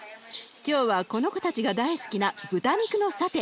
今日はこの子たちが大好きな豚肉のサテ